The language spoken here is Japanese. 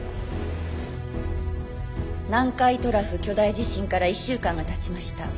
南海トラフ巨大地震から１週間がたちました。